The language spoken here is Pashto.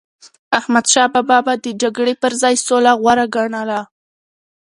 احمدشاه بابا به د جګړی پر ځای سوله غوره ګڼله.